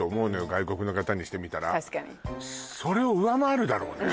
外国の方にしてみたら確かにそれを上回るだろうね